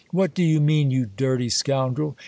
"What do you mean, you dirty scoundrel!"